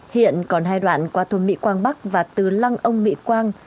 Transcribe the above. hiện còn hai đoạn qua thôn mỹ quang bắc và từ lăng ông mỹ quang